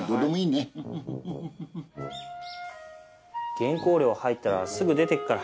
原稿料入ったらすぐ出ていくから。